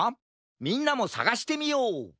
みんなもさがしてみよう！